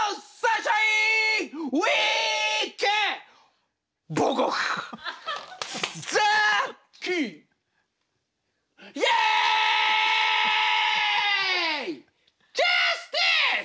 ジャスティス！